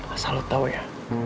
asal lo tau ya